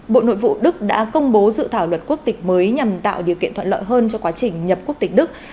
bộ nội vụ đức đã công bố dự thảo luật quốc tịch mới nhằm tạo điều kiện thuận lợi hơn cho quá trình nhập quốc tịch đức